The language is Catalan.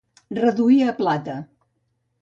Reduir a plata.